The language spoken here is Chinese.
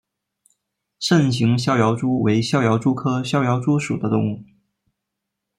肾形逍遥蛛为逍遥蛛科逍遥蛛属的动物。